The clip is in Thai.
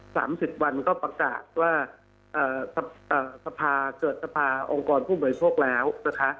สามสิบวันก็ประกาศว่าเอ่อเอ่อสภาเกิดสภาองค์กรผู้บริโภคแล้วนะคะ